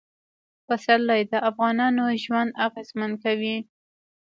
پسرلی د افغانانو ژوند اغېزمن کوي.